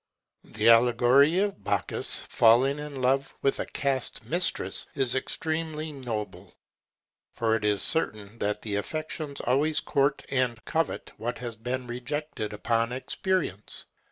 The allegory of Bacchus falling in love with a cast mistress, is extremely noble; for it is certain that the affections always court and covet what has been rejected upon experience.